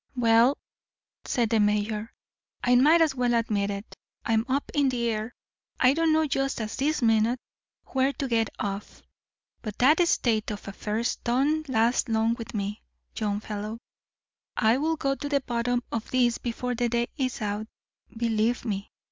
"Well," said the mayor, "I might as well admit it. I'm up in the air. I don't know just at this minute where to get off. But that state of affairs don't last long with me, young fellow. I'll go to the bottom of this before the day is out, believe me.